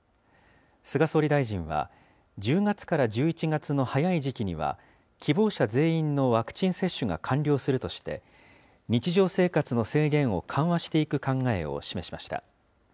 菅総理大臣は、１０月から１１月の早い時期には、希望者全員のワクチン接種が完了するとして、日常生活の制限を緩和していく考えを示しました。